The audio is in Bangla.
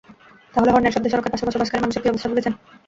তাহলে হর্নের শব্দে সড়কের পাশে বসবাসকারী মানুষের কী অবস্থা ভেবেছেন?